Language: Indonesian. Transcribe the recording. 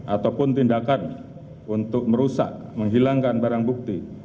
ataupun tindakan untuk merusak menghilangkan barang bukti